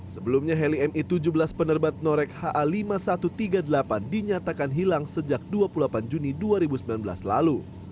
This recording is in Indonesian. sebelumnya heli mi tujuh belas penerbat norek ha lima ribu satu ratus tiga puluh delapan dinyatakan hilang sejak dua puluh delapan juni dua ribu sembilan belas lalu